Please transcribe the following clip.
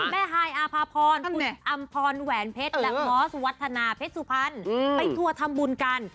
ฮายอาภาพรคุณอำพรแหวนเพชรและมอสวัฒนาเพชรสุพรรณไปทัวร์ทำบุญกัน